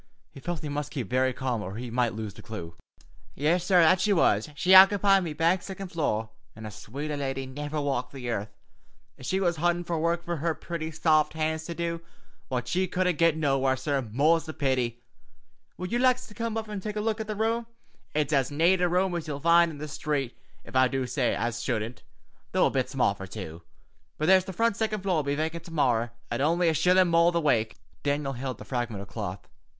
He felt he must keep very calm or he might lose the clue. "Yis, sorr, that she was. She ockepied me back siccond floor, an' a swater lady niver walked the earth, ef she was huntin' work fer her pretty, saft hands to do, what she couldn't get nowhere, sorr, more's the pity. Would yez like to coom up an' tak a luik at the rum? It's as nate a rum as ye'll find in the sthreet, ef I do say so as shouldn't, though a bit small fer two. But there's the frunt siccond floor'll be vacant to morry, at only a shillun more the wake." Daniel held up the fragment of cloth.